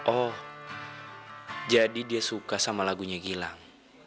oh jadi dia suka sama lagunya gilang